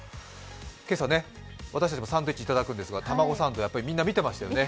今朝、私たちもサンドイッチをいただくんですがたまごサンドみんな見てましたよね。